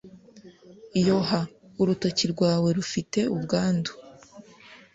yoha, urutoki rwawe rufite ubwandu